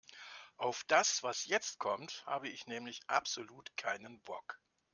Auf das, was jetzt kommt, habe ich nämlich absolut keinen Bock.